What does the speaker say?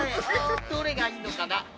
どれがいいのかな？